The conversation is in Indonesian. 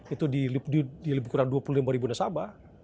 itu di lebih kurang dua puluh lima ribu nasabah